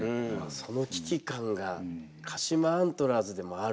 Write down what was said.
その危機感が鹿島アントラーズでもあるんですね。